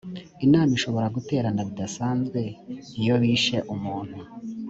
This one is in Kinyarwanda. inama ishobora guterana bidasanzwe iyo bishe umuntu